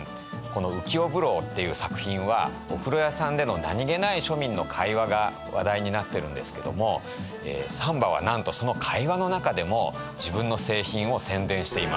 この「浮世風呂」っていう作品はお風呂屋さんでの何気ない庶民の会話が話題になってるんですけども三馬はなんとその会話の中でも自分の製品を宣伝しています。